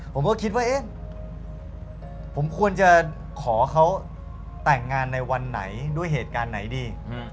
ผมก็คิดว่าเอ๊ะผมควรจะขอเขาแต่งงานในวันไหนด้วยเหตุการณ์ไหนดี